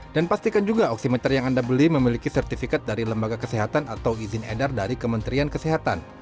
dan pastikan juga oksimeter yang anda beli memiliki sertifikat dari lembaga kesehatan atau izin edar dari kementerian kesehatan